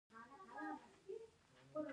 جیسلمیر د سرو زرو ښار دی.